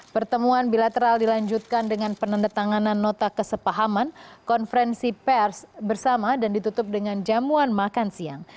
pertemuan bilateral dilanjutkan dengan penandatanganan nota kesepahaman konferensi pers bersama dan ditutup dengan jamuan makan siang